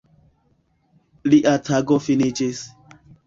Lia tago finiĝis.